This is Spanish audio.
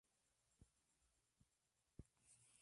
Hizo una aparición en "Sonny With a Chance".